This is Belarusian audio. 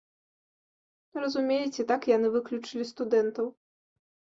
Разумееце, так яны выключылі студэнтаў.